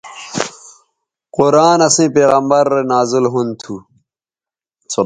قرآن اسئیں پیغمبرؐ رے نازل ھُون تھو